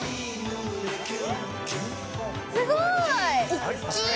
すごい！大きい！